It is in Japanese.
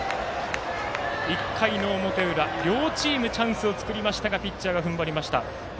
１回の表裏、両チームチャンスを作りましたがピッチャーがふんばりました。